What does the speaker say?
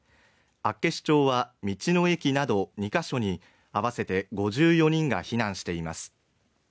厚岸町は、道の駅などに２カ所にあわせて５４人が避難しています。